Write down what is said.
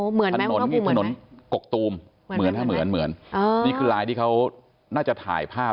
อ๋อเหมือนไหมถนนกรกตูมเหมือนนี่คือลายที่เขาน่าจะถ่ายภาพ